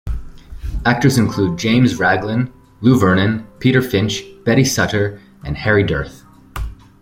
Actors included James Raglan, Lou Vernon, Peter Finch, Betty Suttor and Harry Dearth.